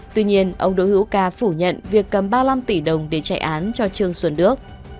tuy nhiên ông đỗ hữu ca phủ nhận việc cầm ba mươi năm tỷ đồng để chạy án cho trương xuân đức